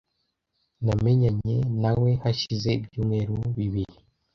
Namenyanye na we hashize ibyumweru bibiri.